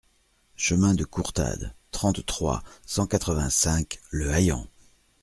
Chemin de Courtade, trente-trois, cent quatre-vingt-cinq Le Haillan